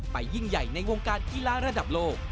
ยิ่งใหญ่ในวงการกีฬาระดับโลก